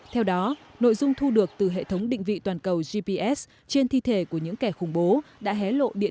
theo đó nội dung thu được từ hệ thống định vị toàn cầu gps trên thi thể của những kẻ khủng bố